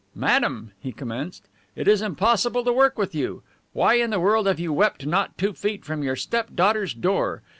"Madame," he commenced, "it is impossible to work with you. Why in the world have you wept not two feet from your step daughter's door?